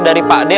dari pak deh